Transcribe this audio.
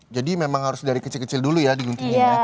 jadi memang harus dari kecil kecil dulu ya diguntingnya